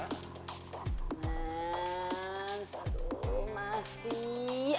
mas aduh mas sih